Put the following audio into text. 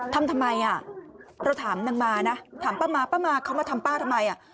ทำไมอ่ะเราถามนางมานะถามป้ามาป้ามาเขามาทำป้าทำไมอ่ะ